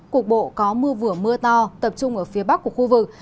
cục bộ có mưa vừa mưa to tập trung ở phía bắc của khu vực